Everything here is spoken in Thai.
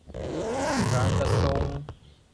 การจัดส่ง